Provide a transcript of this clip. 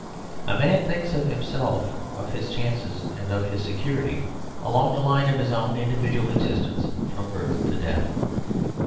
A man thinks of himself, of his chances and of his security along the line of his own individ ual existence from birth to death.